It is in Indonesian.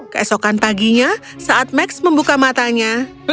keesokan paginya saat max membuka matanya